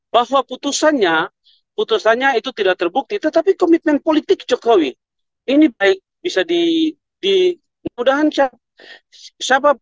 bahwa putusannya putusannya itu tidak terbukti tetapi komitmen politik jokowi ini baik bisa dimudahan siapa